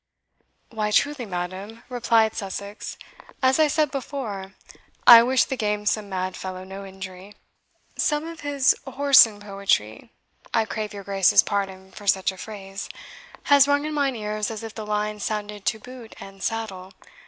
"Why, truly, madam," replied Sussex, "as I said before, I wish the gamesome mad fellow no injury. Some of his whoreson poetry (I crave your Grace's pardon for such a phrase) has rung in mine ears as if the lines sounded to boot and saddle.